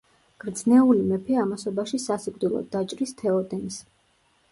გრძნეული მეფე ამასობაში სასიკვდილოდ დაჭრის თეოდენს.